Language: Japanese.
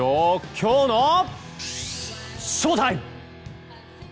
きょうのＳＨＯＴＩＭＥ！